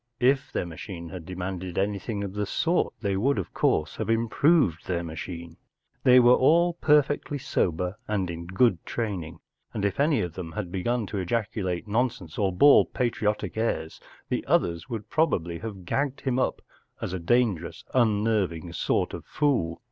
If their machine had demanded anything of the sort they would, of course, have improved their machine. They were all perfectly sober and in good training, and if any of them had begun to ejaculate nonsense or bawl patriotic airs, the others would probably have gagged him and tied him up as a dangerous, un¬ nerving sort of fool.